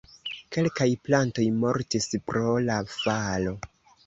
Kelkaj plantoj mortis pro la falo.